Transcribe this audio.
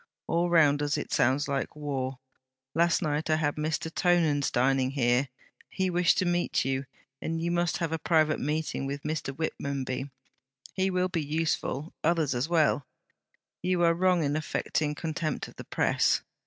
All round us it sounds like war. Last night I had Mr. Tonans dining here; he wished to meet you; and you must have a private meeting with Mr. Whitmonby: he will be useful; others as well. You are wrong in affecting contempt of the Press.